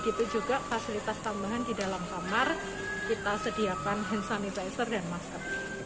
begitu juga fasilitas tambahan di dalam kamar kita sediakan hand sanitizer dan masker